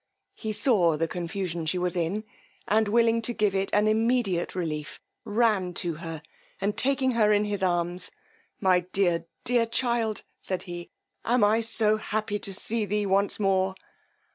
He saw the confusion she was in, and willing to give it an immediate relief, ran to her, and taking her in his arms, my dear, dear child, said he, am I so happy to see thee once more!